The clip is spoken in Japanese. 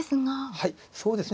はいそうですね。